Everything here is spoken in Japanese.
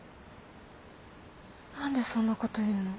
何でそんなこと言うの？